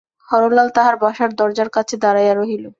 হরলাল তাহার বাসার দরজার কাছে দাঁড়াইয়া রহিল।